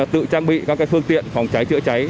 tự trang bị các phương tiện phòng cháy chữa cháy